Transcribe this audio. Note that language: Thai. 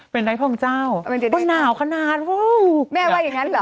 เป็นใดท่องเจ้าเว้นหนาวขนาดโหว